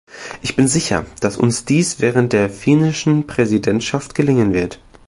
Ich bin sicher, dass uns dies während der finnischen Präsidentschaft gelingen wird.